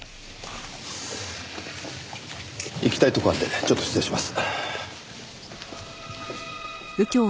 行きたいとこあるんでちょっと失礼します。